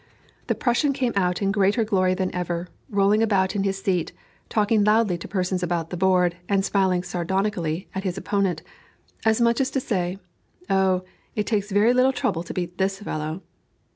The Prussian came out in greater glory than ever, rolling about in his seat, talking loudly to persons about the board, and smiling sardonically at his opponent, as much as to say, "Oh, it takes very little trouble to beat this fellow."